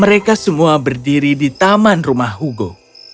mereka semua berdiri di taman rumah hugo